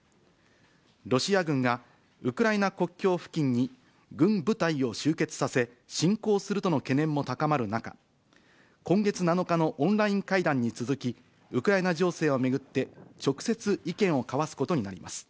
ロシア軍がウクライナ国境付近に軍部隊を集結させ、侵攻するとの懸念も高まる中、今月７日のオンライン会談に続き、ウクライナ情勢を巡って、直接意見を交わすことになります。